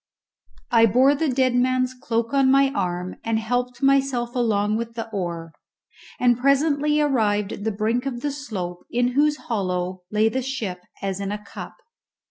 I bore the dead man's cloak on my arm and helped myself along with the oar, and presently arrived at the brink of the slope in whose hollow lay the ship as in a cup.